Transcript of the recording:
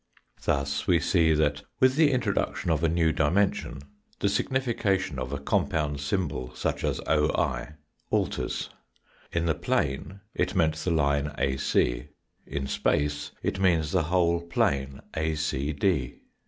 Thus we see that with the introduction of a A FOUR DIMENSIONAL FIGURE 125 hew dimension the signification of a compound symbol, such as " oi," alters. In the plane it meant the line AC. In space it means the whole plane ACD.